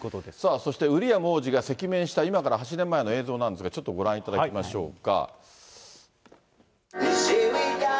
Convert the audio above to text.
そしてウィリアム王子が赤面した、今から８年前の映像なんですが、ちょっとご覧いただきましょうか。